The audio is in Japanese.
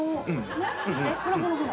ほらほらほら。